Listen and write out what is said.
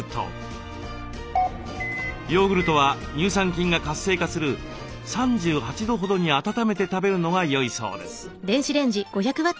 ヨーグルトは乳酸菌が活性化する３８度ほどに温めて食べるのがよいそうです。